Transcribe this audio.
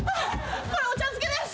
これお茶漬けです。